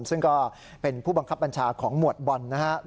ซึ่งก็เป็นผู้บังคับบัญชาของหมวดบอลนะครับ